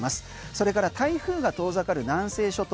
それから台風が遠ざかる南西諸島